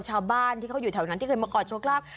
ชาวบ้านที่เขาอยู่แถวนั้นที่เคยมาขอโชคลาภ